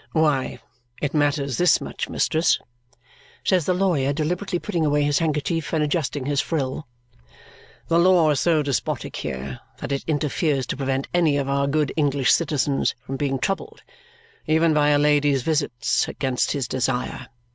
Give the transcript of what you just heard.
"Why, it matters this much, mistress," says the lawyer, deliberately putting away his handkerchief and adjusting his frill; "the law is so despotic here that it interferes to prevent any of our good English citizens from being troubled, even by a lady's visits against his desire.